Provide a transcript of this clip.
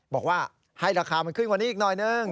บอกว่าให้ราคามันขึ้นกว่านี้อีกหน่อยนึง